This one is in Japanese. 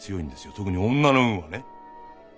特に女の運はね。